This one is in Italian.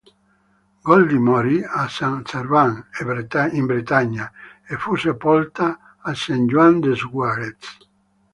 Goldie morì a Saint-Servan, in Bretagna e fu sepolta a Saint-Jouan-des-Guérets.